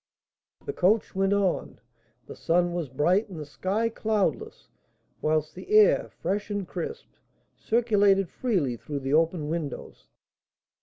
The coach went on. The sun was bright, and the sky cloudless, whilst the air, fresh and crisp, circulated freely through the open windows.